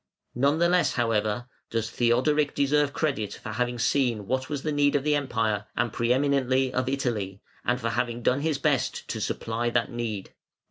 None the less, however, does Theodoric deserve credit for having seen what was the need of Europe, and pre eminently of Italy, and for having done his best to supply that need.